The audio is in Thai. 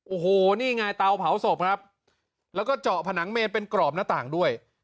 โอ้โหนี่ไงเตาเผาศพครับแล้วก็เจาะผนังเมนเป็นกรอบหน้าต่างด้วย